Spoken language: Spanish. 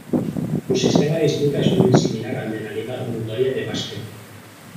Su sistema de disputa es muy similar al de la Liga Uruguaya de Básquetbol.